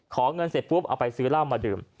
ขอเงินเสร็จปุ๊บเอาไปซื้อเหล้ามาดื่ม